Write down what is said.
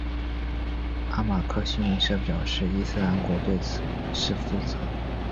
阿马克新闻社表示伊斯兰国对此事负责。